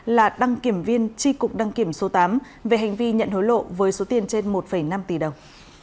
là đăng kiểm viên tri cục đăng kiểm số tám về hành vi nhận hối lộ với số tiền trên một năm tỷ đồng